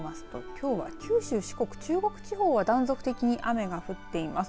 きょうは九州、四国、中国地方が断続的に雨が降っています。